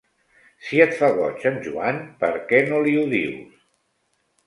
Si et fa goig en Joan, per què no li ho dius?